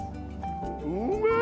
うめえ！